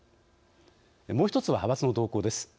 もう一つは、派閥の動向です。